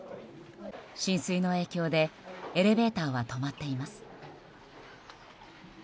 浸水の影響でエレベーターは止まっています。